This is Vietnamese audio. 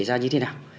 nó xảy ra như thế nào